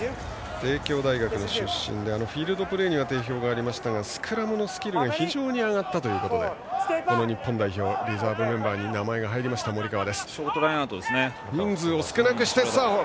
帝京大学出身でフィールドプレーには定評がありましたがスクラムのスキルが非常に上がったということで日本代表リザーブメンバーに名前が入りました森川。